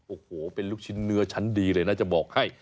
โอ้โหเป็นลูกชิ้นเนื้อชั้นดีเลยนะจะบอกให้